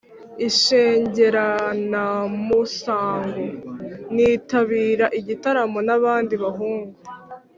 inshengeranamusango: nitabira igitaramo n’abandi bahungu